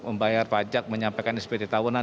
membayar pajak menyampaikan spt tahunan